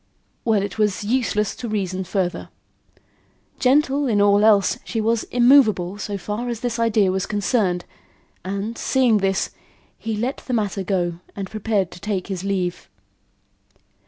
Well, it was useless to reason further. Gentle in all else, she was immovable so far as this idea was concerned and, seeing this, he let the matter go and prepared to take his leave.